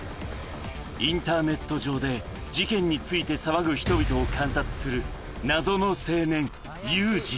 インターネット上で事件について騒ぐ人々を観察する謎の青年、祐司。